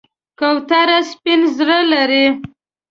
کوتره سپین زړه لري.